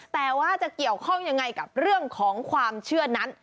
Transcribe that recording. แต่ว่าจะเกี่ยวข้องยังไงกับเรื่องของความเชื่อนั้น